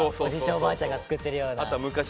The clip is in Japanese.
おばあちゃんが作ってるような。